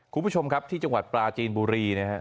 คุณผู้ชมครับที่จังหวัดปลาจีนบุรีนะครับ